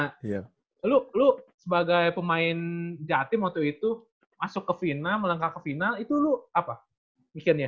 nah lu sebagai pemain jatim waktu itu masuk ke final melangkah ke final itu lu apa mikirnya